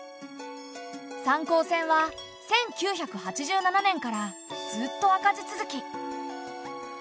三江線は１９８７年からずっと赤字続き。